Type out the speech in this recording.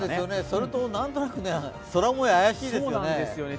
それと、何となく空もよう、怪しいですよね。